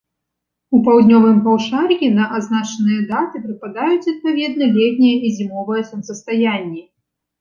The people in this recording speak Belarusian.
У паўднёвым паўшар'і на азначаныя даты прыпадаюць, адпаведна, летняе і зімовае сонцастаянні.